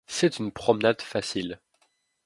C'est une promenade facile.